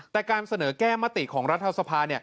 แต่การเสนอแก้มติของรัฐสภา